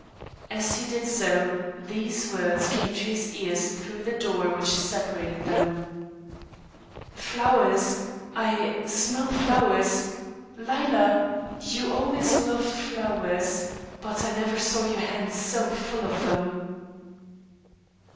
As he did so, these words came to his ears through the door which separated them: "Flowers I smell flowers! Lila, you always loved flowers; but I never saw your hands so full of them."